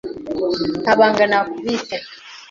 Nta banga nakubitse.